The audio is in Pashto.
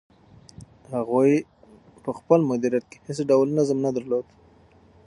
هغوی په خپل مدیریت کې هیڅ ډول نظم نه درلود.